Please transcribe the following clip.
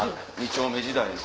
２丁目時代の。